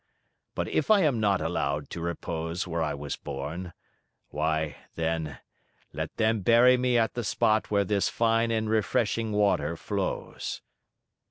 But if I am not allowed to repose where I was born, why, then, let them bury me at the spot where this fine and refreshing water flows."